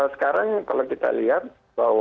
sekarang kalau kita lihat bahwa